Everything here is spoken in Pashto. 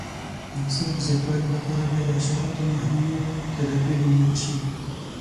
د حاصل د زیاتوالي لپاره باید د حشراتو مخنیوي تدابیر ونیول شي.